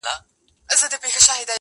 چي « منظور» به هم د قام هم د الله سي!